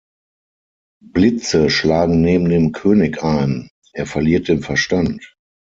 Blitze schlagen neben dem König ein, er verliert den Verstand.